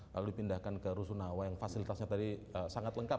lalu dipindahkan ke rusunawa yang fasilitasnya tadi sangat lengkap